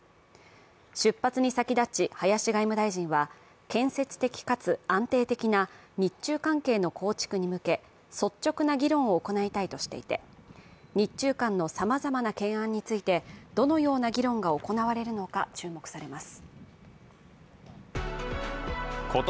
出発に先立ち、林外務大臣は建設的かつ安定的な日中関係の構築に向け率直な議論を行いたいとしていて日中間のさまざまな懸案についてどのような議論が行われるのか注目されます。